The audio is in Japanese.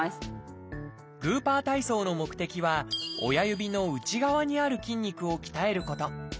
グーパー体操の目的は親指の内側にある筋肉を鍛えること。